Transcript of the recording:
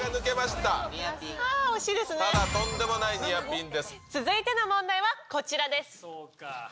ただ、続いての問題はこちらです。